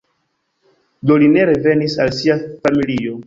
Do li revenis al sia familio.